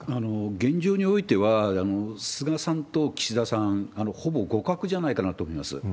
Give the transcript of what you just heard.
現状においては、菅さんと岸田さん、ほぼ互角じゃないかなと思います。